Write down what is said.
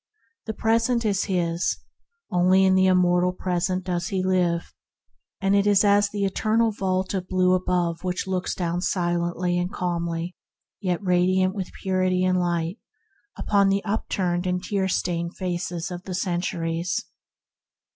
The Present is his, only in the immortal Present does he live, and it is as the eternal vault of blue above that looks down silently and calmly, yet radiant with purity and light, upon the upturned and tear stained faces of the centuries.